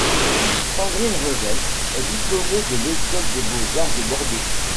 Sandrine Revel est diplômée de l'École des beaux-arts de Bordeaux.